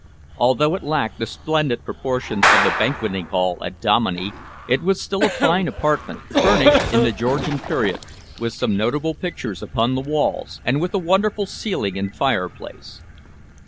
Although it lacked the splendid proportions of the banqueting hall at Dominey, it was still a fine apartment, furnished in the Georgian period, with some notable pictures upon the walls, and with a wonderful ceiling and fireplace.